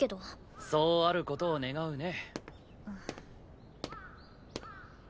そうある事を願うね。